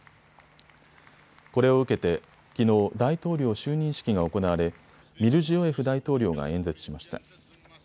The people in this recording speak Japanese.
これを受けてきのう大統領就任式が行われミルジヨエフ大統領が演説しました。